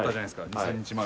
２３日前。